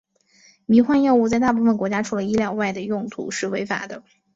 迷幻药物在大部分国家除了医疗外的用途是违法的。